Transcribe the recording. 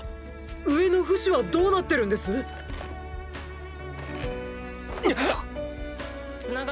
上のフシはどうなってるんです⁉っ！